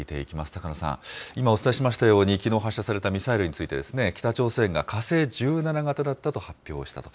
高野さん、今、お伝えしましたように、きのう発射されたミサイルについて、北朝鮮が火星１７型だったと発表したと。